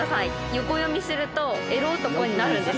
横読みすると「エロ男」になるんです。